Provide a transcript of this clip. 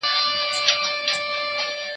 هره پوله به نن وه، سبا به نه وه